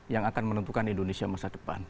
yang akan menentukan indonesia masa depan